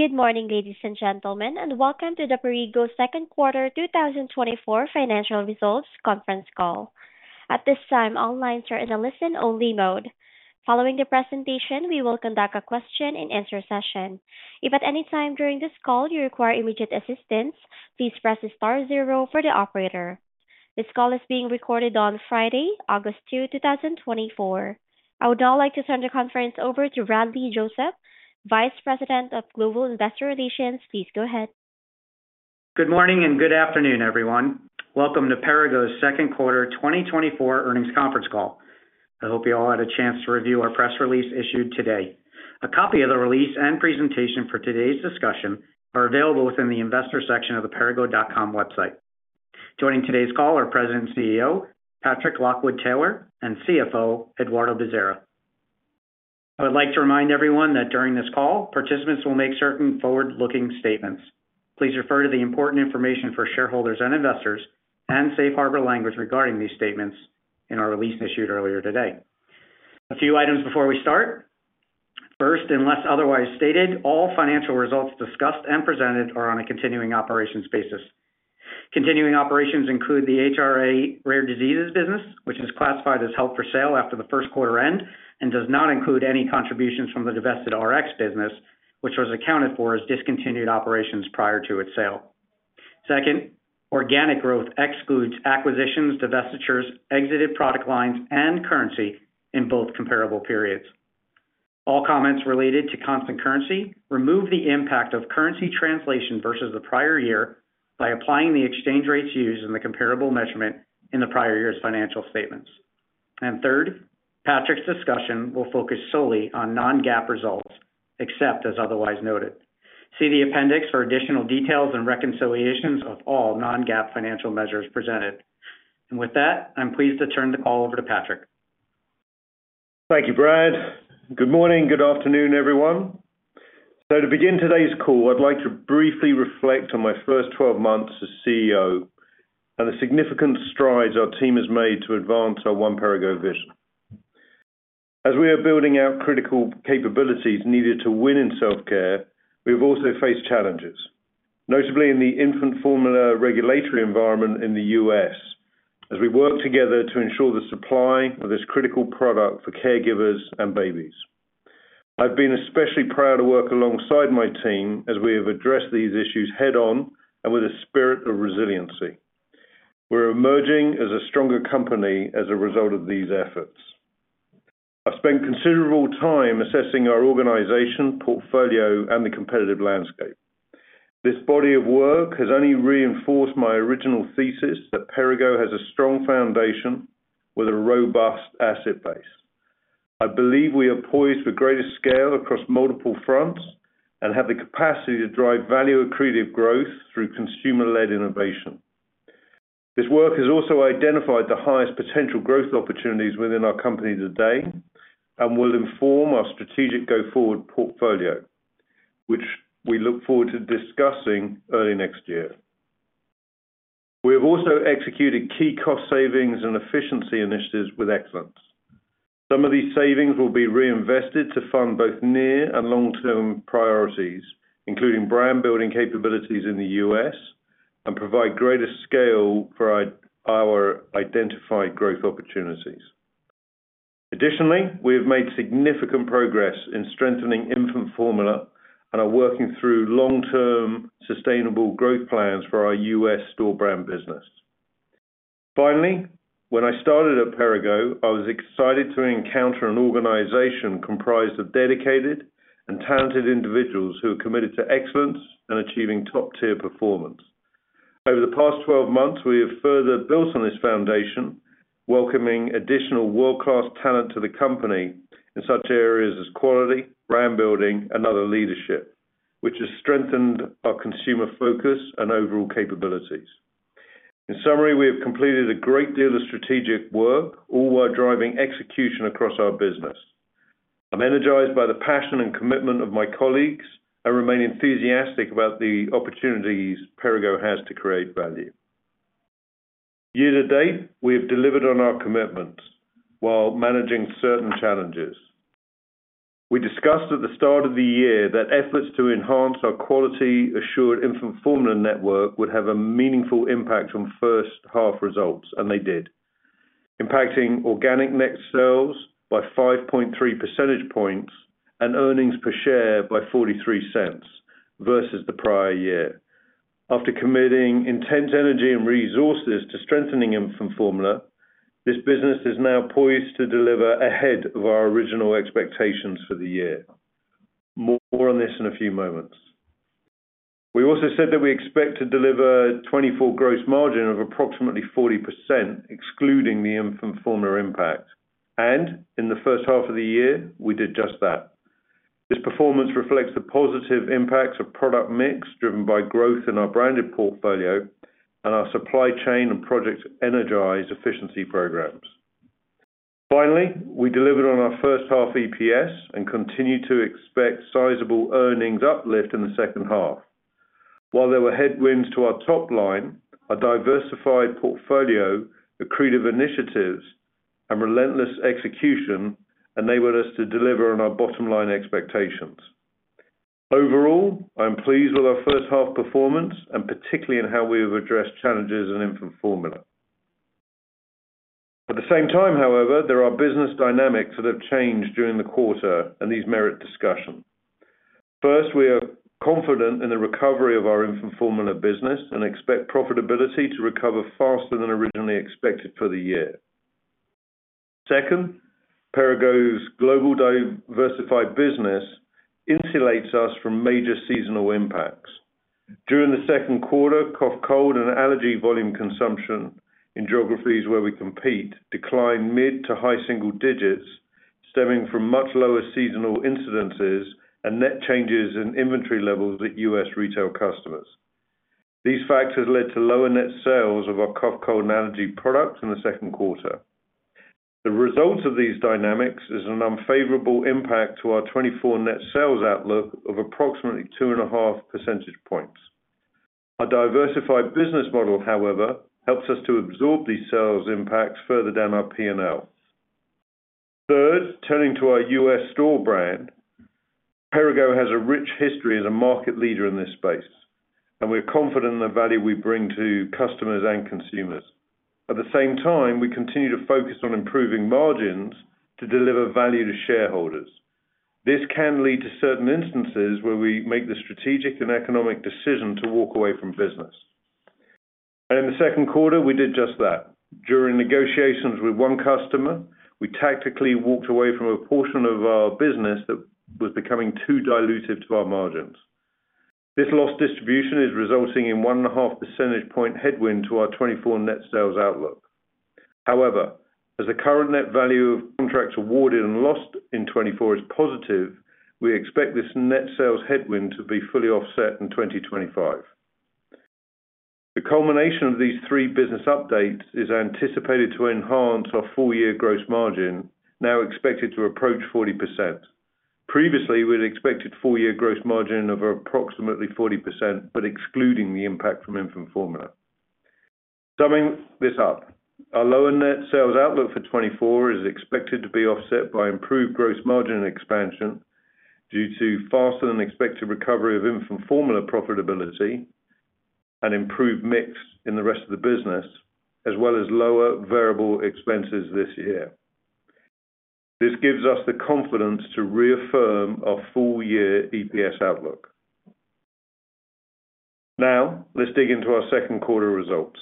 Good morning, ladies and gentlemen, and welcome to the Perrigo second quarter 2024 financial results conference call. At this time, all lines are in a listen-only mode. Following the presentation, we will conduct a question-and-answer session. If at any time during this call you require immediate assistance, please press star zero for the operator. This call is being recorded on Friday, August 2, 2024. I would now like to turn the conference over to Bradley Joseph, Vice President of Global Investor Relations. Please go ahead. Good morning and good afternoon, everyone. Welcome to Perrigo's second quarter 2024 earnings conference call. I hope you all had a chance to review our press release issued today. A copy of the release and presentation for today's discussion are available within the investor section of the perrigo.com website. Joining today's call are President and CEO, Patrick Lockwood-Taylor, and CFO, Eduardo Bezerra. I would like to remind everyone that during this call, participants will make certain forward-looking statements. Please refer to the important information for shareholders and investors and safe harbor language regarding these statements in our release issued earlier today. A few items before we start. First, unless otherwise stated, all financial results discussed and presented are on a continuing operations basis. Continuing operations include the HRA Rare Diseases business, which is classified as held for sale after the first quarter end, and does not include any contributions from the divested RX business, which was accounted for as discontinued operations prior to its sale. Second, organic growth excludes acquisitions, divestitures, exited product lines, and currency in both comparable periods. All comments related to constant currency remove the impact of currency translation versus the prior year by applying the exchange rates used in the comparable measurement in the prior year's financial statements. And third, Patrick's discussion will focus solely on non-GAAP results, except as otherwise noted. See the appendix for additional details and reconciliations of all non-GAAP financial measures presented. And with that, I'm pleased to turn the call over to Patrick. Thank you, Brad. Good morning, good afternoon, everyone. To begin today's call, I'd like to briefly reflect on my first 12 months as CEO and the significant strides our team has made to advance our One Perrigo vision. As we are building out critical capabilities needed to win in self-care, we have also faced challenges, notably in the infant formula regulatory environment in the U.S., as we work together to ensure the supply of this critical product for caregivers and babies. I've been especially proud to work alongside my team as we have addressed these issues head-on and with a spirit of resiliency. We're emerging as a stronger company as a result of these efforts. I've spent considerable time assessing our organization, portfolio, and the competitive landscape. This body of work has only reinforced my original thesis that Perrigo has a strong foundation with a robust asset base. I believe we are poised for greater scale across multiple fronts and have the capacity to drive value-accretive growth through consumer-led innovation. This work has also identified the highest potential growth opportunities within our company today and will inform our strategic go-forward portfolio, which we look forward to discussing early next year. We have also executed key cost savings and efficiency initiatives with excellence. Some of these savings will be reinvested to fund both near and long-term priorities, including brand building capabilities in the U.S. and provide greater scale for our identified growth opportunities. Additionally, we have made significant progress in strengthening infant formula and are working through long-term sustainable growth plans for our U.S. store brand business. Finally, when I started at Perrigo, I was excited to encounter an organization comprised of dedicated and talented individuals who are committed to excellence and achieving top-tier performance. Over the past 12 months, we have further built on this foundation, welcoming additional world-class talent to the company in such areas as quality, brand building and other leadership, which has strengthened our consumer focus and overall capabilities. In summary, we have completed a great deal of strategic work, all while driving execution across our business. I'm energized by the passion and commitment of my colleagues. I remain enthusiastic about the opportunities Perrigo has to create value. Year to date, we have delivered on our commitments while managing certain challenges. We discussed at the start of the year that efforts to enhance our quality assured infant formula network would have a meaningful impact on first half results, and they did, impacting organic net sales by 5.3 percentage points and earnings per share by $0.43 versus the prior year. After committing intense energy and resources to strengthening infant formula, this business is now poised to deliver ahead of our original expectations for the year. More on this in a few moments. We also said that we expect to deliver 2024 gross margin of approximately 40%, excluding the infant formula impact, and in the first half of the year, we did just that. This performance reflects the positive impacts of product mix, driven by growth in our branded portfolio and our supply chain and Project Energize efficiency programs. Finally, we delivered on our first half EPS and continue to expect sizable earnings uplift in the second half.... While there were headwinds to our top line, our diversified portfolio, accretive initiatives, and relentless execution enabled us to deliver on our bottom line expectations. Overall, I'm pleased with our first half performance, and particularly in how we have addressed challenges in infant formula. At the same time, however, there are business dynamics that have changed during the quarter, and these merit discussion. First, we are confident in the recovery of our infant formula business and expect profitability to recover faster than originally expected for the year. Second, Perrigo's global diversified business insulates us from major seasonal impacts. During the second quarter, cough, cold, and allergy volume consumption in geographies where we compete declined mid to high single digits, stemming from much lower seasonal incidences and net changes in inventory levels at U.S. retail customers. These factors led to lower net sales of our cough, cold, and allergy products in the second quarter. The result of these dynamics is an unfavorable impact to our 2024 net sales outlook of approximately 2.5 percentage points. Our diversified business model, however, helps us to absorb these sales impacts further down our P&L. Third, turning to our U.S. store brand, Perrigo has a rich history as a market leader in this space, and we're confident in the value we bring to customers and consumers. At the same time, we continue to focus on improving margins to deliver value to shareholders. This can lead to certain instances where we make the strategic and economic decision to walk away from business. In the second quarter, we did just that. During negotiations with one customer, we tactically walked away from a portion of our business that was becoming too dilutive to our margins. This lost distribution is resulting in 1.5 percentage point headwind to our 2024 net sales outlook. However, as the current net value of contracts awarded and lost in 2024 is positive, we expect this net sales headwind to be fully offset in 2025. The culmination of these three business updates is anticipated to enhance our full year gross margin, now expected to approach 40%. Previously, we had expected full year gross margin of approximately 40%, but excluding the impact from infant formula. Summing this up, our lower net sales outlook for 2024 is expected to be offset by improved gross margin expansion due to faster than expected recovery of infant formula profitability and improved mix in the rest of the business, as well as lower variable expenses this year. This gives us the confidence to reaffirm our full year EPS outlook. Now, let's dig into our second quarter results.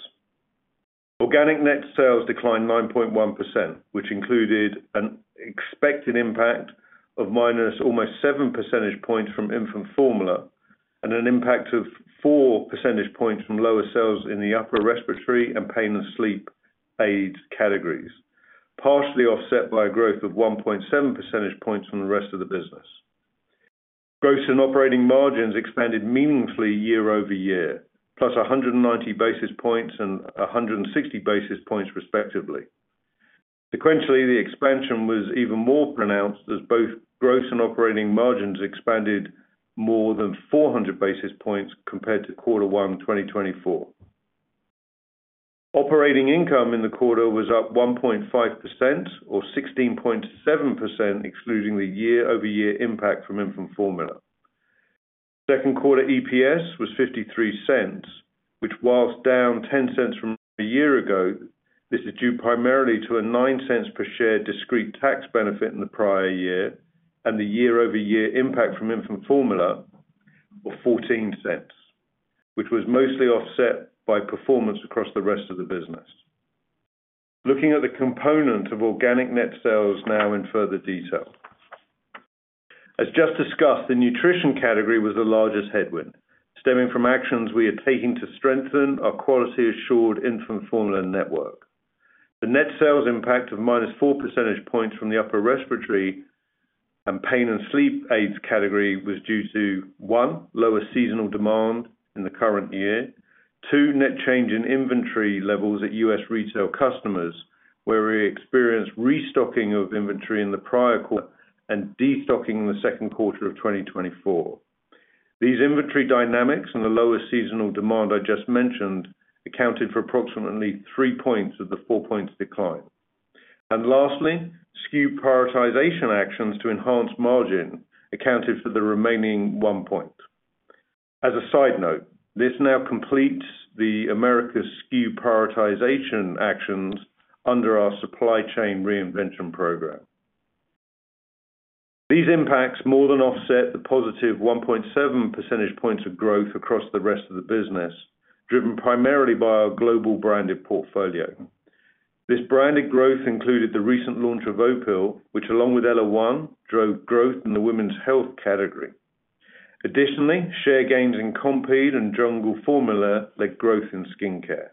Organic Net Sales declined 9.1%, which included an expected impact of -almost 7 percentage points from infant formula, and an impact of 4 percentage points from lower sales in the upper respiratory and pain and sleep aids categories, partially offset by a growth of 1.7 percentage points from the rest of the business. Gross and operating margins expanded meaningfully year-over-year, +190 basis points and 160 basis points, respectively. Sequentially, the expansion was even more pronounced as both gross and operating margins expanded more than 400 basis points compared to Quarter 1 2024. Operating income in the quarter was up 1.5% or 16.7%, excluding the year-over-year impact from infant formula. Second quarter EPS was $0.53, which while down $0.10 from a year ago, this is due primarily to a $0.09 per share discrete tax benefit in the prior year, and the year-over-year impact from infant formula of $0.14, which was mostly offset by performance across the rest of the business. Looking at the component of organic net sales now in further detail. As just discussed, the nutrition category was the largest headwind, stemming from actions we are taking to strengthen our quality assured infant formula network. The net sales impact of -4 percentage points from the upper respiratory and pain and sleep aids category was due to, one, lower seasonal demand in the current year. Two, net change in inventory levels at U.S. retail customers, where we experienced restocking of inventory in the prior quarter and destocking in the second quarter of 2024. These inventory dynamics and the lower seasonal demand I just mentioned accounted for approximately 3 points of the 4 points decline. Lastly, SKU prioritization actions to enhance margin accounted for the remaining 1 point. As a side note, this now completes the Americas' SKU prioritization actions under our Supply Chain Reinvention Program. These impacts more than offset the positive 1.7 percentage points of growth across the rest of the business, driven primarily by our global branded portfolio. This branded growth included the recent launch of Opill, which along with ellaOne, drove growth in the women's health category. Additionally, share gains in Compeed and Jungle Formula led growth in skincare.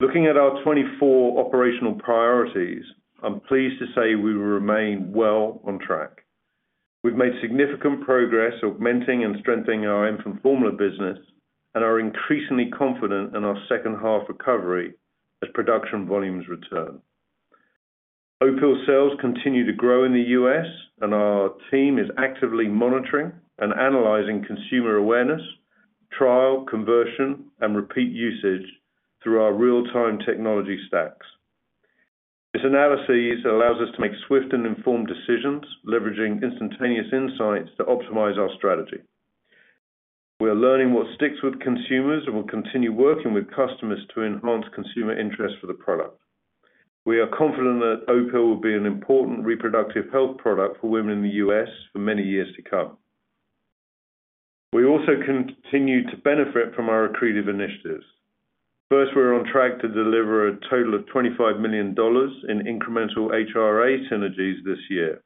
Looking at our 24 operational priorities, I'm pleased to say we remain well on track. We've made significant progress augmenting and strengthening our infant formula business and are increasingly confident in our second half recovery as production volumes return. Opill sales continue to grow in the U.S., and our team is actively monitoring and analyzing consumer awareness, trial, conversion, and repeat usage through our real-time technology stacks. This analysis allows us to make swift and informed decisions, leveraging instantaneous insights to optimize our strategy. We are learning what sticks with consumers, and we'll continue working with customers to enhance consumer interest for the product. We are confident that Opill will be an important reproductive health product for women in the U.S. for many years to come. We also continue to benefit from our accretive initiatives. First, we're on track to deliver a total of $25 million in incremental HRA synergies this year.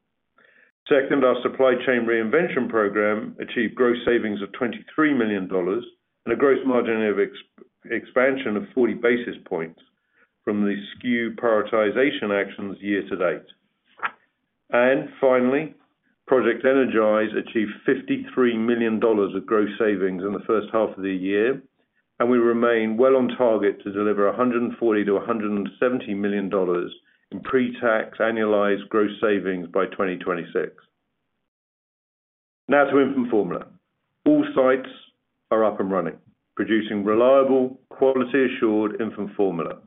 Second, our Supply Chain Reinvention Program achieved gross savings of $23 million and a gross margin expansion of 40 basis points from the SKU prioritization actions year to date. And finally, Project Energize achieved $53 million of gross savings in the first half of the year, and we remain well on target to deliver $140 million-$170 million in pre-tax annualized gross savings by 2026. Now to infant formula. All sites are up and running, producing reliable, quality assured infant formula.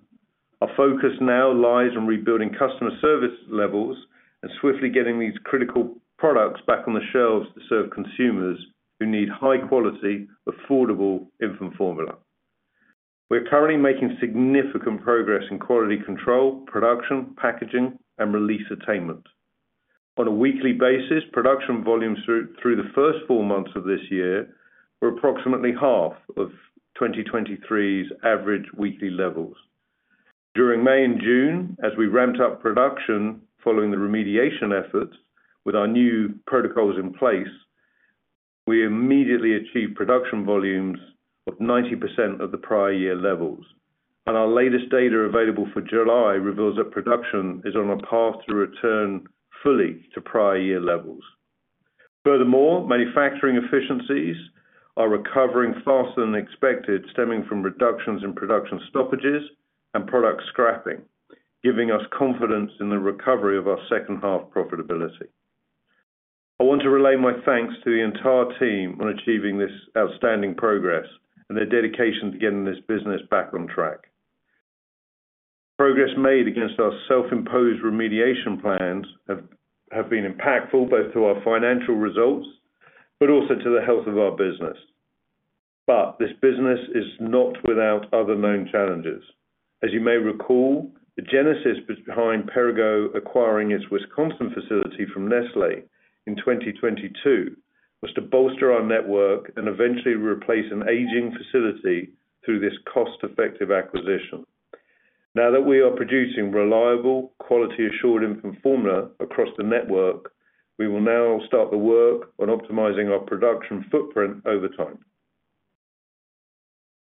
Our focus now lies on rebuilding customer service levels and swiftly getting these critical products back on the shelves to serve consumers who need high quality, affordable infant formula. We're currently making significant progress in quality control, production, packaging, and release attainment. On a weekly basis, production volumes through the first four months of this year were approximately half of 2023's average weekly levels. During May and June, as we ramped up production following the remediation efforts with our new protocols in place, we immediately achieved production volumes of 90% of the prior year levels, and our latest data available for July reveals that production is on a path to return fully to prior year levels. Furthermore, manufacturing efficiencies are recovering faster than expected, stemming from reductions in production stoppages and product scrapping, giving us confidence in the recovery of our second half profitability. I want to relay my thanks to the entire team on achieving this outstanding progress and their dedication to getting this business back on track. Progress made against our self-imposed remediation plans have been impactful both to our financial results, but also to the health of our business. But this business is not without other known challenges. As you may recall, the genesis behind Perrigo acquiring its Wisconsin facility from Nestlé in 2022 was to bolster our network and eventually replace an aging facility through this cost-effective acquisition. Now that we are producing reliable, quality assured infant formula across the network, we will now start the work on optimizing our production footprint over time.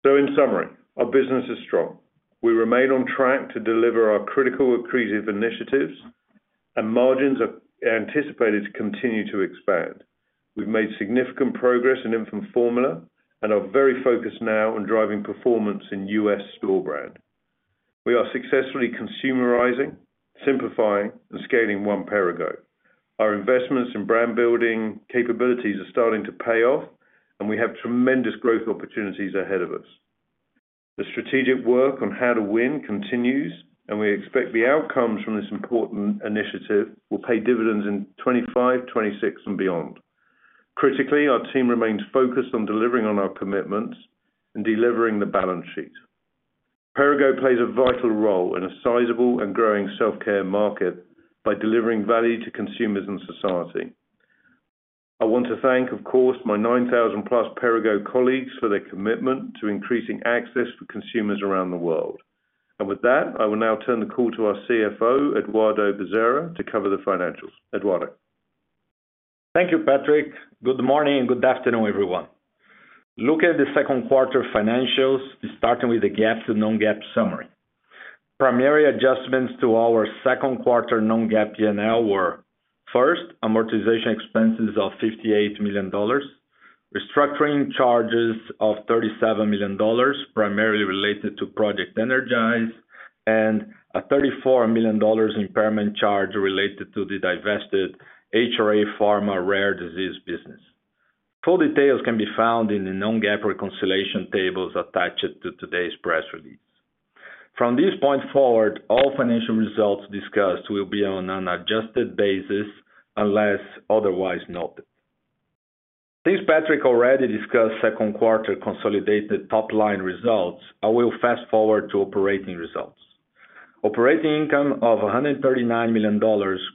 So in summary, our business is strong. We remain on track to deliver our critical accretive initiatives, and margins are anticipated to continue to expand. We've made significant progress in infant formula and are very focused now on driving performance in US store brand. We are successfully consumerizing, simplifying, and scaling One Perrigo. Our investments in brand building capabilities are starting to pay off, and we have tremendous growth opportunities ahead of us. The strategic work on how to win continues, and we expect the outcomes from this important initiative will pay dividends in 2025, 2026, and beyond. Critically, our team remains focused on delivering on our commitments and delivering the balance sheet. Perrigo plays a vital role in a sizable and growing self-care market by delivering value to consumers and society. I want to thank, of course, my 9,000+ Perrigo colleagues for their commitment to increasing access for consumers around the world. And with that, I will now turn the call to our CFO, Eduardo Bezerra, to cover the financials. Eduardo? Thank you, Patrick. Good morning, and good afternoon, everyone. Look at the second quarter financials, starting with the GAAP and non-GAAP summary. Primary adjustments to our second quarter non-GAAP PNL were, first, amortization expenses of $58 million, restructuring charges of $37 million, primarily related to Project Energize, and a $34 million impairment charge related to the divested HRA Pharma rare disease business. Full details can be found in the non-GAAP reconciliation tables attached to today's press release. From this point forward, all financial results discussed will be on an adjusted basis unless otherwise noted. Since Patrick already discussed second quarter consolidated top-line results, I will fast-forward to operating results. Operating income of $139 million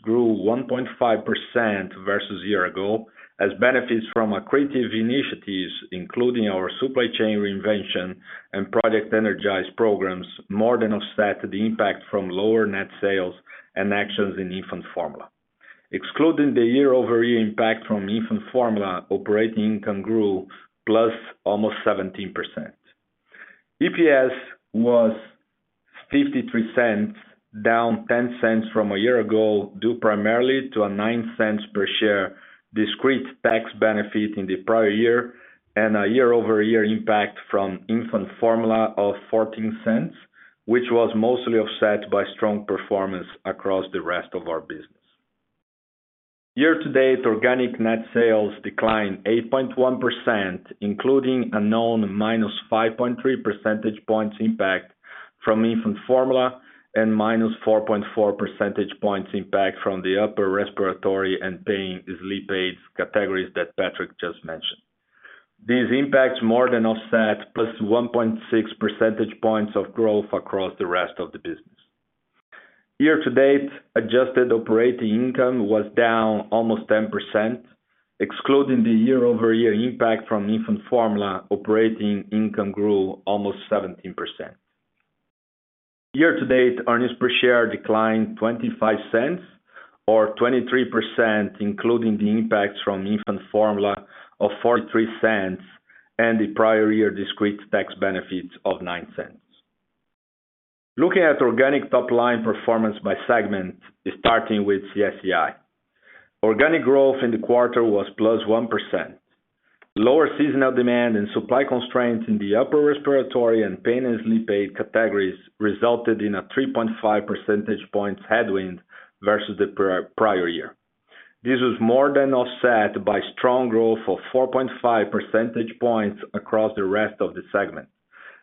grew 1.5% versus year-ago, as benefits from accretive initiatives, including our supply chain reinvention and Project Energize programs, more than offset the impact from lower net sales and actions in infant formula. Excluding the year-over-year impact from infant formula, operating income grew + almost 17%. EPS was $0.53, down $0.10 from a year ago, due primarily to a $0.09 per share discrete tax benefit in the prior year, and a year-over-year impact from infant formula of $0.14, which was mostly offset by strong performance across the rest of our business. Year-to-date, organic net sales declined 8.1%, including a known -5.3 percentage points impact from infant formula, and -4.4 percentage points impact from the upper respiratory and pain and sleep aids categories that Patrick just mentioned. These impacts more than offset +1.6 percentage points of growth across the rest of the business. Year-to-date, adjusted operating income was down almost 10%, excluding the year-over-year impact from infant formula, operating income grew almost 17%. Year-to-date, earnings per share declined $0.25 or 23%, including the impact from infant formula of $0.43 and the prior year discrete tax benefit of $0.09. Looking at organic top-line performance by segment, starting with CSEI. Organic growth in the quarter was +1%. Lower seasonal demand and supply constraints in the upper respiratory and pain and sleep aid categories resulted in a 3.5 percentage points headwind versus the prior year. This was more than offset by strong growth of 4.5 percentage points across the rest of the segment,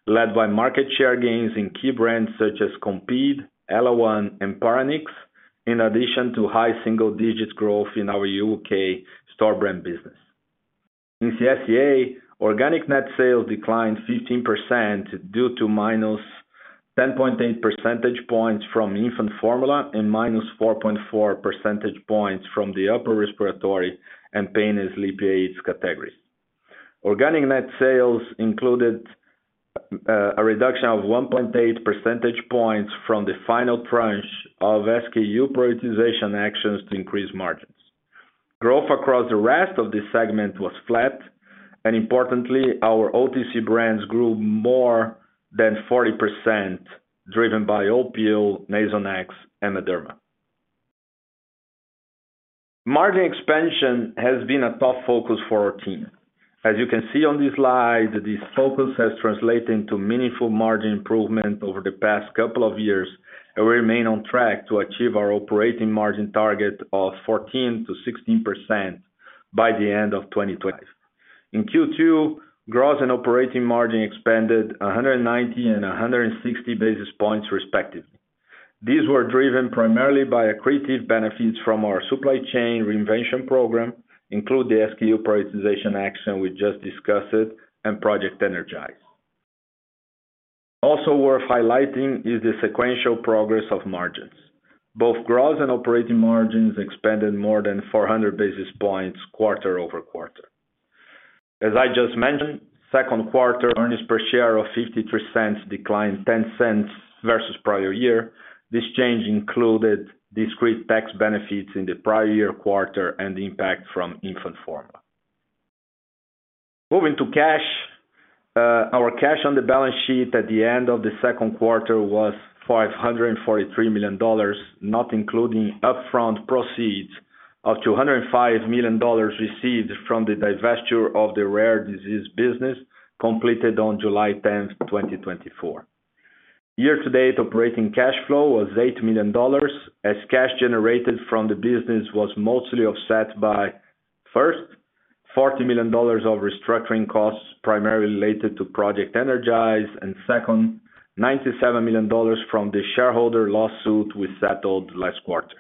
led by market share gains in key brands such as Compeed, ellaOne, and Paranix, in addition to high single-digit growth in our UK store brand business. In CSEA, organic net sales declined 15% due to minus 10.8 percentage points from infant formula and minus 4.4 percentage points from the upper respiratory and pain and sleep aids categories. Organic net sales included a reduction of 1.8 percentage points from the final tranche of SKU prioritization actions to increase margins. Growth across the rest of this segment was flat, and importantly, our OTC brands grew more than 40%, driven by Opill, Nasonex, and A-DERMA. Margin expansion has been a top focus for our team. As you can see on this slide, this focus has translated into meaningful margin improvement over the past couple of years, and we remain on track to achieve our operating margin target of 14%-16% by the end of 2020. In Q2, gross and operating margin expanded 190 and 160 basis points, respectively. These were driven primarily by accretive benefits from our Supply Chain Reinvention Program, including the SKU Prioritization action we just discussed, and Project Energize. Also worth highlighting is the sequential progress of margins. Both gross and operating margins expanded more than 400 basis points quarter-over-quarter. As I just mentioned, second quarter earnings per share of $0.53 declined $0.10 versus prior year. This change included discrete tax benefits in the prior year quarter and the impact from infant formula. Moving to cash. Our cash on the balance sheet at the end of the second quarter was $543 million, not including upfront proceeds of $205 million received from the divestiture of the rare disease business, completed on July 10, 2024. Year-to-date operating cash flow was $8 million, as cash generated from the business was mostly offset by, first, $40 million of restructuring costs, primarily related to Project Energize, and second, $97 million from the shareholder lawsuit we settled last quarter.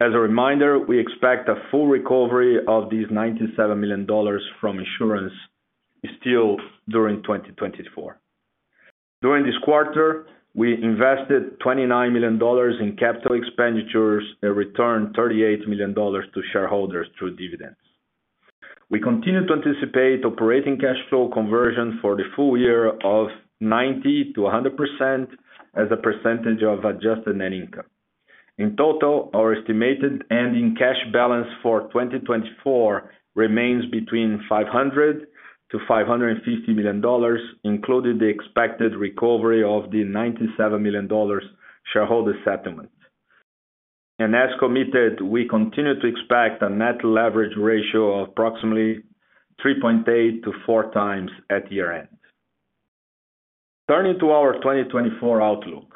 As a reminder, we expect a full recovery of these $97 million from insurance still during 2024. During this quarter, we invested $29 million in capital expenditures and returned $38 million to shareholders through dividends. We continue to anticipate operating cash flow conversion for the full year of 90%-100% as a percentage of adjusted net income. In total, our estimated ending cash balance for 2024 remains between $500 million-$550 million, including the expected recovery of the $97 million shareholder settlement. As committed, we continue to expect a net leverage ratio of approximately 3.8-4 times at year-end. Turning to our 2024 outlook.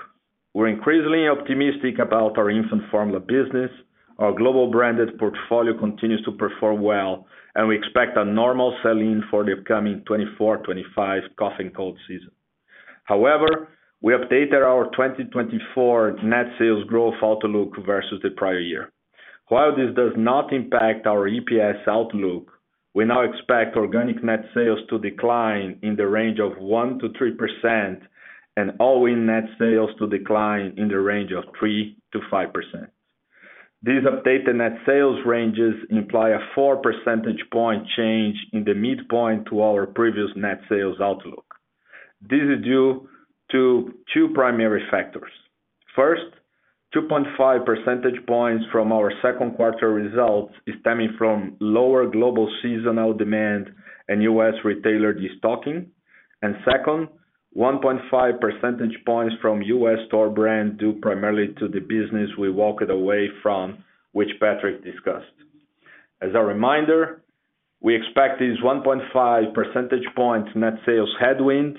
We're increasingly optimistic about our infant formula business. Our global branded portfolio continues to perform well, and we expect a normal sell-in for the upcoming 2024-2025 cough and cold season. However, we updated our 2024 net sales growth outlook versus the prior year. While this does not impact our EPS outlook, we now expect organic net sales to decline in the range of 1%-3% and all-in net sales to decline in the range of 3%-5%. These updated net sales ranges imply a 4 percentage point change in the midpoint to our previous net sales outlook. This is due to two primary factors. First, 2.5 percentage points from our second quarter results stemming from lower global seasonal demand and U.S. retailer de-stocking, and second, 1.5 percentage points from U.S. store brand due primarily to the business we walked away from, which Patrick discussed. As a reminder, we expect this 1.5 percentage points net sales headwind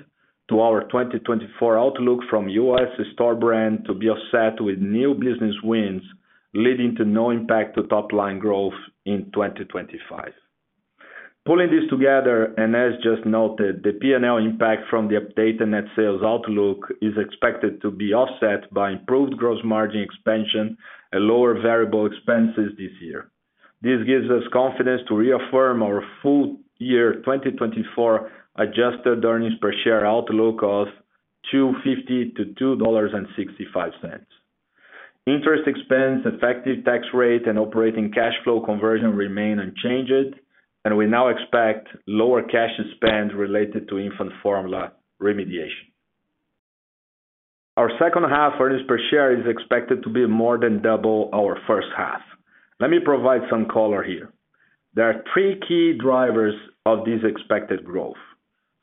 to our 2024 outlook from U.S. store brand to be offset with new business wins, leading to no impact to top line growth in 2025. Pulling this together, and as just noted, the P&L impact from the updated net sales outlook is expected to be offset by improved gross margin expansion and lower variable expenses this year. This gives us confidence to reaffirm our full year 2024 Adjusted Earnings Per Share outlook of $2.50-$2.65. Interest expense, effective tax rate, and operating cash flow conversion remain unchanged, and we now expect lower cash spend related to infant formula remediation. Our second half earnings per share is expected to be more than double our first half. Let me provide some color here. There are three key drivers of this expected growth.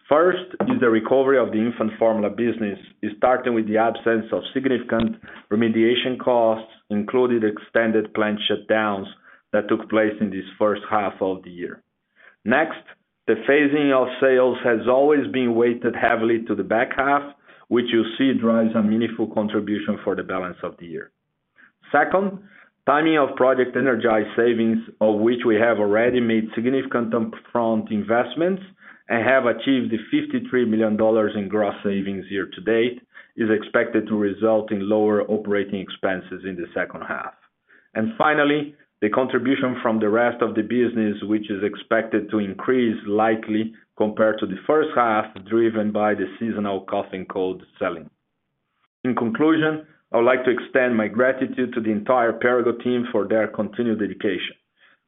First is the recovery of the infant formula business, is starting with the absence of significant remediation costs, including extended plant shutdowns that took place in this first half of the year. Next, the phasing of sales has always been weighted heavily to the back half, which you see drives a meaningful contribution for the balance of the year. Second, timing of Project Energize savings, of which we have already made significant upfront investments and have achieved $53 million in gross savings year to date, is expected to result in lower operating expenses in the second half. And finally, the contribution from the rest of the business, which is expected to increase likely compared to the first half, driven by the seasonal cough and cold selling. In conclusion, I would like to extend my gratitude to the entire Perrigo team for their continued dedication.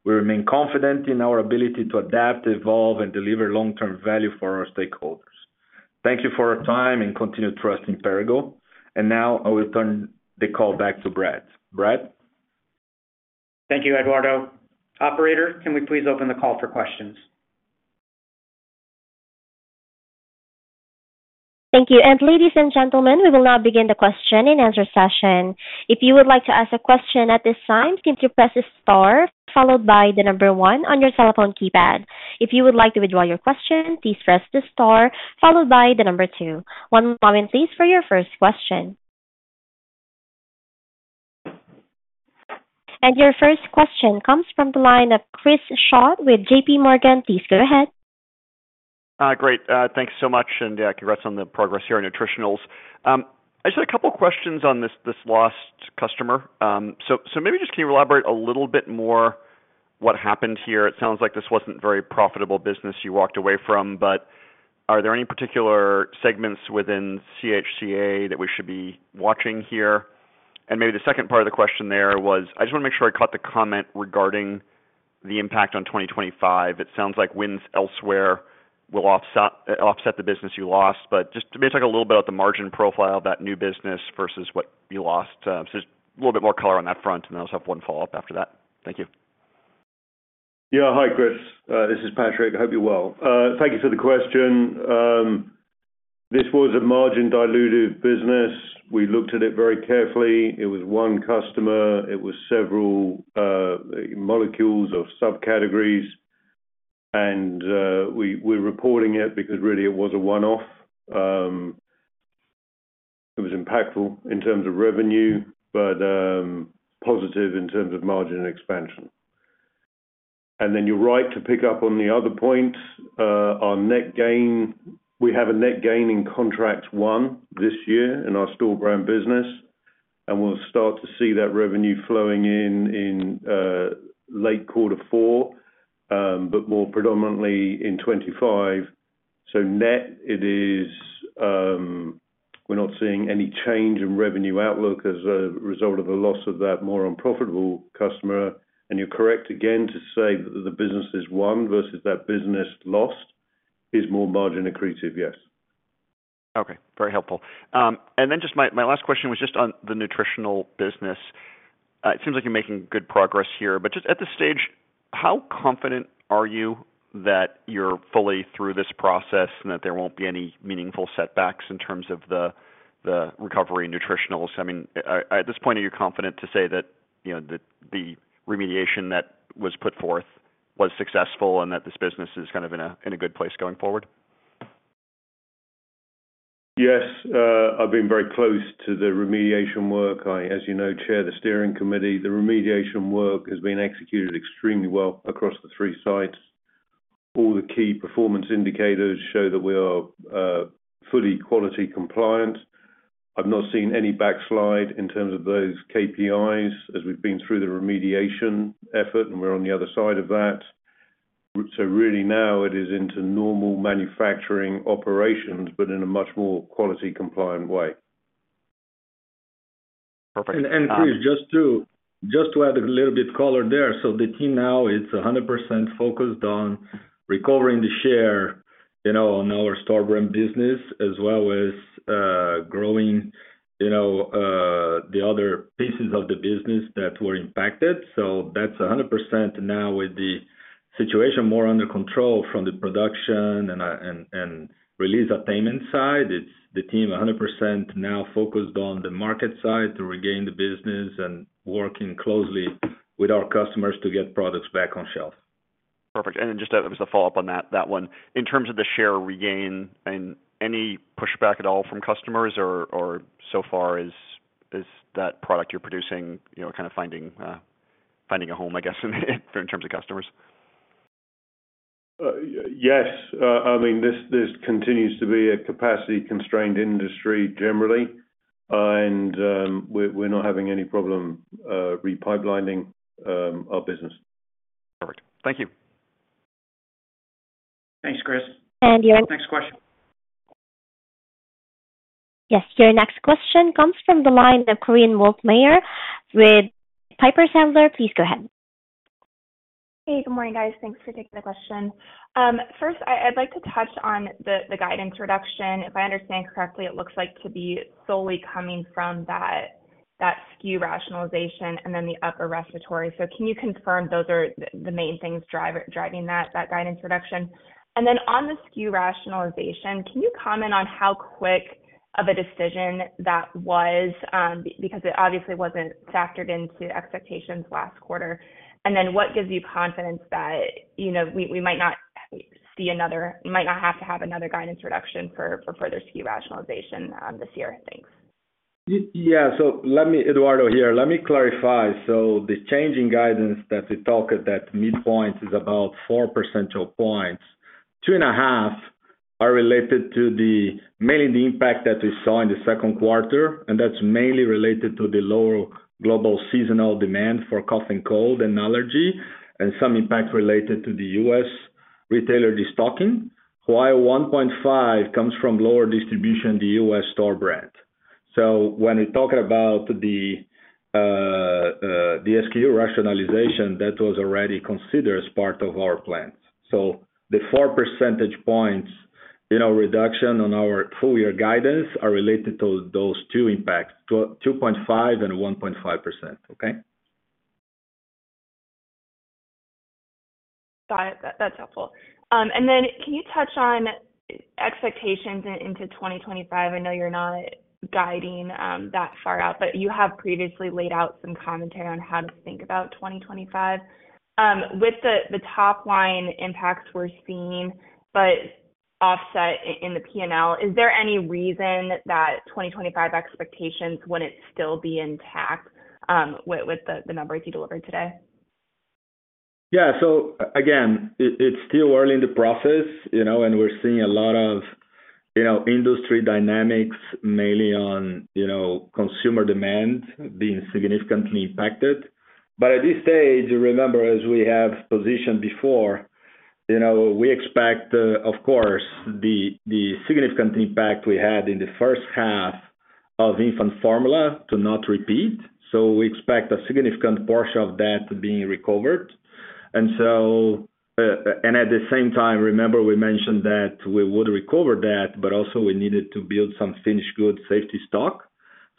We remain confident in our ability to adapt, evolve, and deliver long-term value for our stakeholders. Thank you for your time and continued trust in Perrigo. And now I will turn the call back to Brad. Brad? Thank you, Eduardo. Operator, can we please open the call for questions? Thank you. Ladies and gentlemen, we will now begin the question and answer session. If you would like to ask a question at this time, can you press star followed by the number one on your telephone keypad. If you would like to withdraw your question, please press the star followed by the number two. One moment, please, for your first question. Your first question comes from the line of Chris Schott with JPMorgan. Please go ahead. Great. Thanks so much, and yeah, congrats on the progress here on Nutritionals. I just had a couple questions on this lost customer. So maybe just can you elaborate a little bit more what happened here? It sounds like this wasn't very profitable business you walked away from, but are there any particular segments within CHCA that we should be watching here? And maybe the second part of the question there was, I just want to make sure I caught the comment regarding the impact on 2025. It sounds like wins elsewhere will offset the business you lost, but just maybe talk a little bit about the margin profile of that new business versus what you lost. So just a little bit more color on that front, and I also have one follow-up after that. Thank you. Yeah. Hi, Chris. This is Patrick. I hope you're well. Thank you for the question. This was a margin dilutive business. We looked at it very carefully. It was one customer. It was several molecules or subcategories, and we're reporting it because really it was a one-off. It was impactful in terms of revenue, but positive in terms of margin expansion. And then you're right to pick up on the other point. Our net gain, we have a net gain in contract one this year in our store brand business, and we'll start to see that revenue flowing in, in late quarter four, but more predominantly in 2025. So net it is, we're not seeing any change in revenue outlook as a result of the loss of that more unprofitable customer. You're correct again, to say that the businesses won versus that business lost is more margin accretive, yes. Okay. Very helpful. And then just my, my last question was just on the nutritional business. It seems like you're making good progress here, but just at this stage, how confident are you that you're fully through this process and that there won't be any meaningful setbacks in terms of the, the recovery in Nutritionals? I mean, at, at this point, are you confident to say that, you know, the, the remediation that was put forth was successful and that this business is kind of in a, in a good place going forward? Yes. I've been very close to the remediation work. I, as you know, chair the steering committee. The remediation work has been executed extremely well across the three sites. All the key performance indicators show that we are fully quality compliant. I've not seen any backslide in terms of those KPIs as we've been through the remediation effort, and we're on the other side of that. So really now it is into normal manufacturing operations, but in a much more quality-compliant way. Perfect, um- Chris, just to add a little bit of color there. So the team now is 100% focused on recovering the share, you know, on our store brand business, as well as growing, you know, the other pieces of the business that were impacted. So that's 100% now with the situation more under control from the production and release and payment side. It's the team 100% now focused on the market side to regain the business and working closely with our customers to get products back on shelf. Perfect. And then just, as a follow-up on that, that one, in terms of the share regain and any pushback at all from customers, or, or so far, is, is that product you're producing, you know, kind of finding, finding a home, I guess, in terms of customers? Yes, I mean, this continues to be a capacity-constrained industry generally, and we're not having any problem re-pipelining our business. Perfect. Thank you. Thanks, Chris. And your- Next question. Yes, your next question comes from the line of Korinne Wolfmeyer with Piper Sandler. Please go ahead. Hey, good morning, guys. Thanks for taking the question. First, I'd like to touch on the guidance reduction. If I understand correctly, it looks like to be solely coming from that SKU rationalization and then the upper respiratory. So can you confirm those are the main things driving that guidance reduction? And then on the SKU rationalization, can you comment on how quick of a decision that was? Because it obviously wasn't factored into expectations last quarter. And then what gives you confidence that, you know, we might not see another—might not have to have another guidance reduction for further SKU rationalization this year? Thanks. Yeah. So let me, Eduardo here, let me clarify. So the change in guidance that we talked at that midpoint is about 4 percentage points. 2.5 are related to mainly the impact that we saw in the second quarter, and that's mainly related to the lower global seasonal demand for cough and cold and allergy, and some impact related to the U.S. retailer destocking. While 1.5 comes from lower distribution, the U.S. store brand. So when we talk about the SKU rationalization, that was already considered as part of our plans. So the 4 percentage points in our reduction on our full year guidance are related to those two impacts, 2.5% and 1.5%. Okay? Got it. That's helpful. And then can you touch on expectations into 2025? I know you're not guiding that far out, but you have previously laid out some commentary on how to think about 2025. With the top line impacts we're seeing, but offset in the P&L, is there any reason that 2025 expectations wouldn't still be intact with the numbers you delivered today? Yeah. So again, it's still early in the process, you know, and we're seeing a lot of, you know, industry dynamics, mainly on, you know, consumer demand being significantly impacted. But at this stage, remember, as we have positioned before, you know, we expect, of course, the significant impact we had in the first half of infant formula to not repeat. So we expect a significant portion of that being recovered. And so, and at the same time, remember we mentioned that we would recover that, but also we needed to build some finished good safety stock.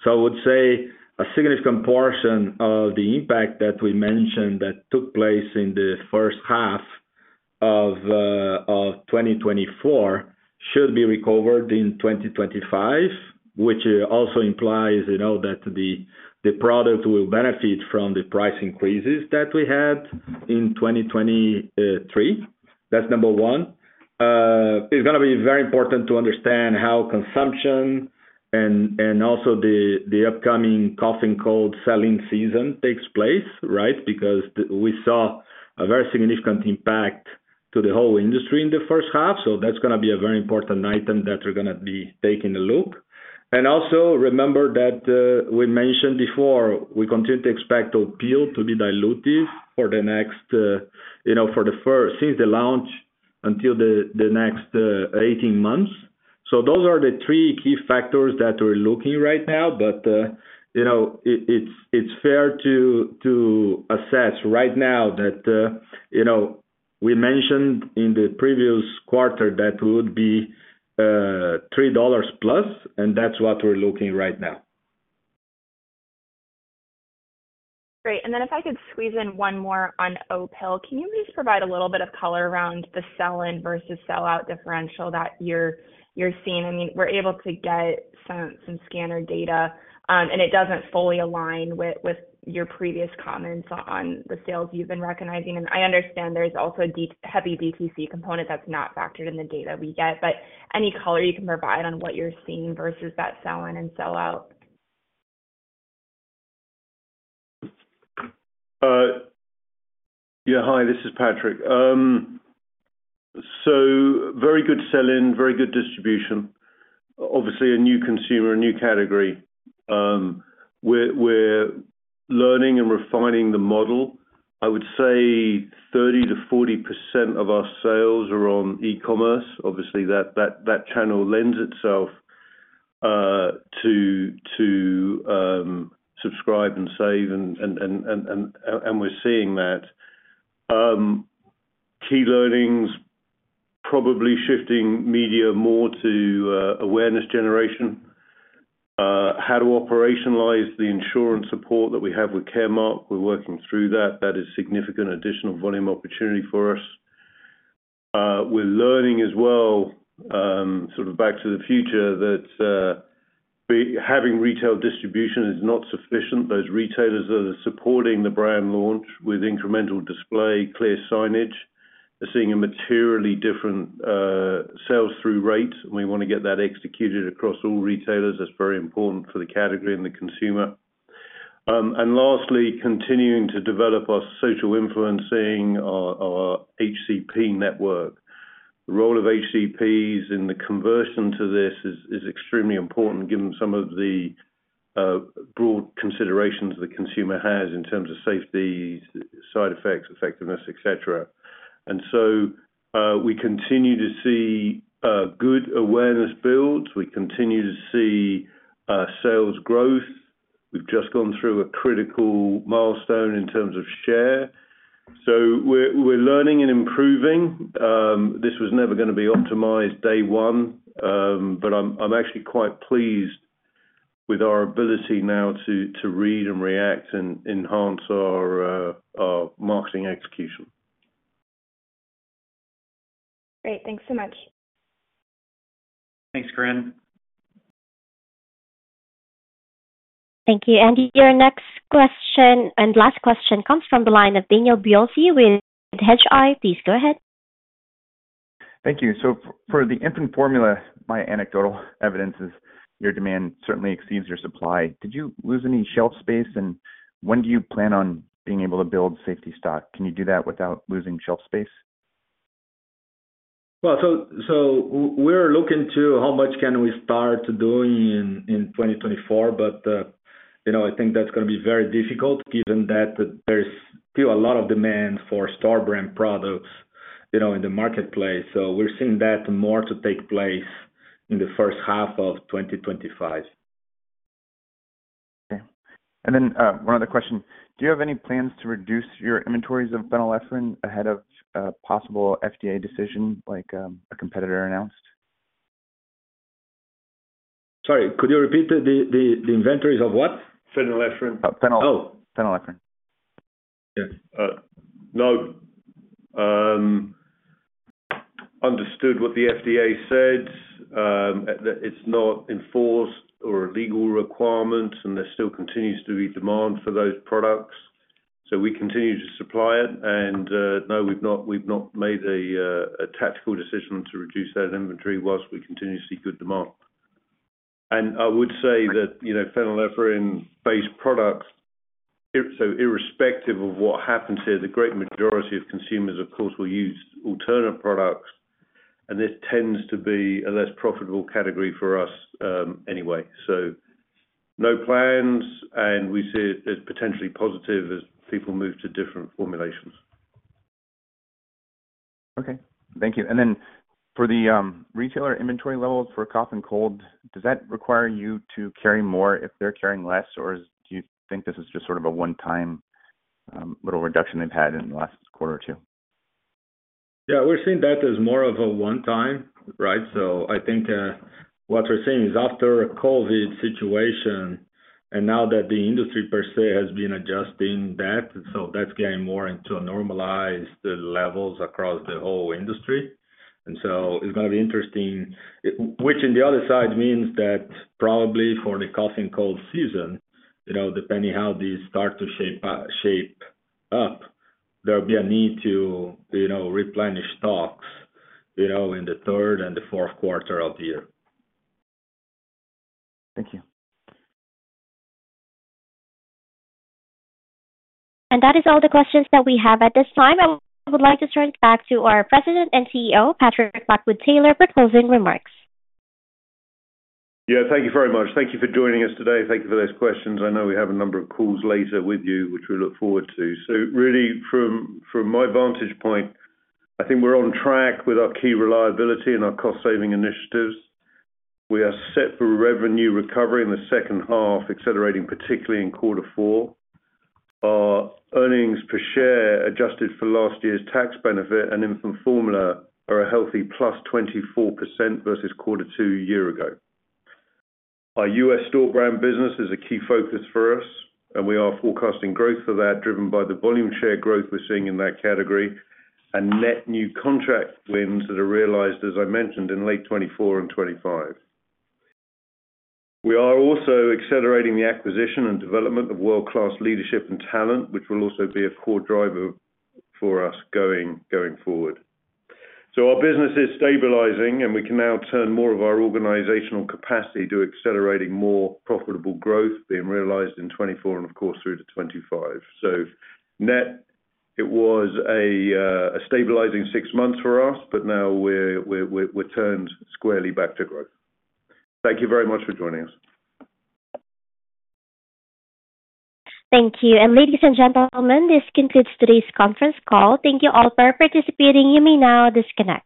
So I would say a significant portion of the impact that we mentioned that took place in the first half of 2024 should be recovered in 2025, which also implies, you know, that the product will benefit from the price increases that we had in 2023. That's number one. It's gonna be very important to understand how consumption and also the upcoming cough and cold selling season takes place, right? Because we saw a very significant impact to the whole industry in the first half, so that's gonna be a very important item that we're gonna be taking a look. And also, remember that we mentioned before, we continue to expect Opill to be dilutive for the next, you know, since the launch until the next 18 months. So those are the three key factors that we're looking right now. But, you know, it's fair to assess right now that, you know, we mentioned in the previous quarter that would be $3+, and that's what we're looking right now. Great. And then if I could squeeze in one more on Opill. Can you please provide a little bit of color around the sell-in versus sell-out differential that you're, you're seeing? I mean, we're able to get some, some scanner data, and it doesn't fully align with, with your previous comments on the sales you've been recognizing. And I understand there's also a heavy DTC component that's not factored in the data we get, but any color you can provide on what you're seeing versus that sell-in and sell-out? Yeah. Hi, this is Patrick. So very good sell-in, very good distribution. Obviously a new consumer, a new category. We're, we're learning and refining the model. I would say 30%-40% of our sales are on e-commerce. Obviously, that, that, that channel lends itself to subscribe and save and we're seeing that. Key learnings, probably shifting media more to awareness generation. How to operationalize the insurance support that we have with CVS Caremark, we're working through that. That is significant additional volume opportunity for us. We're learning as well, sort of back to the future, that having retail distribution is not sufficient. Those retailers that are supporting the brand launch with incremental display, clear signage, are seeing a materially different sales through rate, and we wanna get that executed across all retailers. That's very important for the category and the consumer. And lastly, continuing to develop our social influencing, our HCP network. The role of HCPs in the conversion to this is extremely important, given some of the broad considerations the consumer has in terms of safety, side effects, effectiveness, et cetera. And so, we continue to see good awareness builds. We continue to see sales growth. We've just gone through a critical milestone in terms of share. So we're learning and improving. This was never gonna be optimized day one, but I'm actually quite pleased with our ability now to read and react and enhance our marketing execution. Great. Thanks so much. Thanks, Corinne. Thank you. And your next question and last question comes from the line of Daniel Biolsi with Hedgeye. Please go ahead. Thank you. So for the infant formula, my anecdotal evidence is your demand certainly exceeds your supply. Did you lose any shelf space, and when do you plan on being able to build safety stock? Can you do that without losing shelf space? Well, so we're looking to how much can we start doing in 2024, but, you know, I think that's gonna be very difficult, given that there's still a lot of demand for store brand products, you know, in the marketplace. So we're seeing that more to take place in the first half of 2025. Okay. And then, one other question. Do you have any plans to reduce your inventories of phenylephrine ahead of a possible FDA decision, like, a competitor announced? Sorry, could you repeat the inventories of what? Phenylephrine. Uh, phen- Oh! Phenylephrine. Yeah. No. Understood what the FDA said, that it's not enforced or a legal requirement, and there still continues to be demand for those products, so we continue to supply it. And, no, we've not, we've not made a tactical decision to reduce that inventory whilst we continue to see good demand. And I would say that, you know, phenylephrine-based products, so irrespective of what happens here, the great majority of consumers, of course, will use alternative products, and this tends to be a less profitable category for us, anyway. So no plans, and we see it as potentially positive as people move to different formulations. Okay. Thank you. And then for the, retailer inventory levels for cough and cold, does that require you to carry more if they're carrying less, or do you think this is just sort of a one-time, little reduction they've had in the last quarter or two? Yeah, we're seeing that as more of a one time, right? So I think what we're seeing is after a COVID situation, and now that the industry per se has been adjusting that, so that's getting more into a normalized levels across the whole industry. And so it's gonna be interesting, which on the other side means that probably for the cough and cold season, you know, depending how these start to shape up, there'll be a need to, you know, replenish stocks, you know, in the third and the fourth quarter of the year. Thank you. That is all the questions that we have at this time. I would like to turn it back to our President and CEO, Patrick Lockwood-Taylor, for closing remarks. Yeah, thank you very much. Thank you for joining us today. Thank you for those questions. I know we have a number of calls later with you, which we look forward to. So really from, from my vantage point, I think we're on track with our key reliability and our cost saving initiatives. We are set for revenue recovery in the second half, accelerating, particularly in quarter four. Our earnings per share, adjusted for last year's tax benefit and infant formula, are a healthy +24% versus quarter two year ago. Our U.S. store brand business is a key focus for us, and we are forecasting growth for that, driven by the volume share growth we're seeing in that category, and net new contract wins that are realized, as I mentioned, in late 2024 and 2025. We are also accelerating the acquisition and development of world-class leadership and talent, which will also be a core driver for us going, going forward. So our business is stabilizing, and we can now turn more of our organizational capacity to accelerating more profitable growth being realized in 2024 and of course, through to 2025. So net, it was a stabilizing six months for us, but now we're turned squarely back to growth. Thank you very much for joining us. Thank you. Ladies and gentlemen, this concludes today's conference call. Thank you all for participating. You may now disconnect.